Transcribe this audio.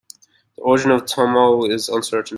The origin of tomoe is uncertain.